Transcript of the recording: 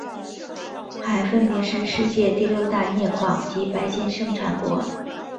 还分别是世界第六大镍矿及白金生产国。